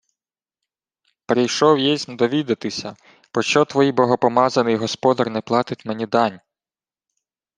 — Прийшов єсмь довідатися, пощо твій богопомазаний господар не платить мені дань.